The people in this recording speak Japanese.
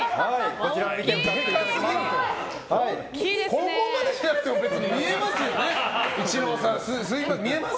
ここまでしなくても見えますよね？